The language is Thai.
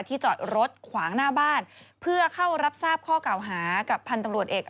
จอดรถขวางหน้าบ้านเพื่อเข้ารับทราบข้อเก่าหากับพันธุ์ตำรวจเอก